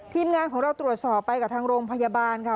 ทีมงานของเราตรวจสอบไปกับทางโรงพยาบาลค่ะ